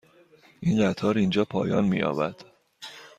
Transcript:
این قطار اینجا پایان می یابد.